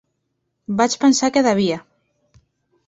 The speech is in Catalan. Vaig pensar que devia.